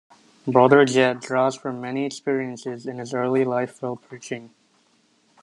Brother Jed draws from many experiences in his early life while preaching.